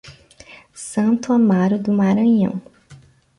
Santo Amaro do Maranhão